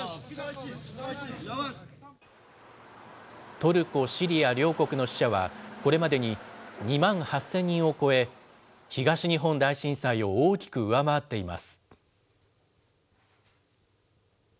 トルコ、シリア両国の死者はこれまでに２万８０００人を超え、東日本大震災を大きく上回っています。